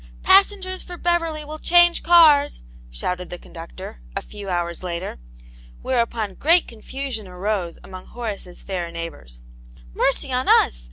"Passengers for Beverly will change carsl" shouted the conductor, a few hours later, where upon great confusion arose among Horace's faif neighbours. : "Mercy on us!